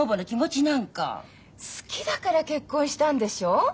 好きだから結婚したんでしょう？